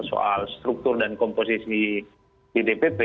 soal struktur dan komposisi di dpp